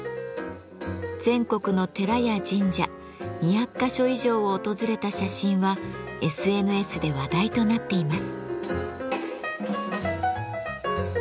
全国の寺や神社２００か所以上を訪れた写真はＳＮＳで話題となっています。